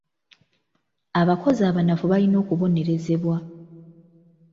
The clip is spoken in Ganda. Abakozi abanafu balina okubonerezebwa.